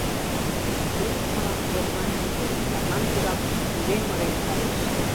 Йодыш мылам торжан чучо, садлан кӧрак вӱрем ырен кайыш.